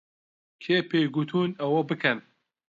کێ پێی گوتوون ئەوە بکەن؟